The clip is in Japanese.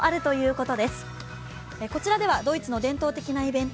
こちらではドイツの伝統的なイベント